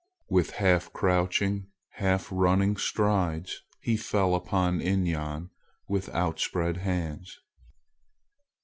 With half crouching, half running strides, he fell upon Inyan with outspread hands.